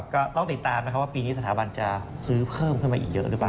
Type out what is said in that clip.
ก็ต้องติดตามนะครับว่าปีนี้สถาบันจะซื้อเพิ่มขึ้นมาอีกเยอะหรือเปล่า